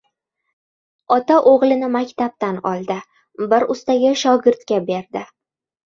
Ota oʻgʻlini maktabdan oldi, bir ustaga shogirdga berdi.